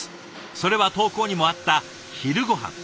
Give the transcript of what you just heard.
それは投稿にもあった昼ごはん。